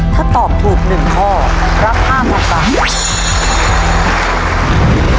ถ้าตอบถูก๑ข้อรับ๕๐๐๐บาท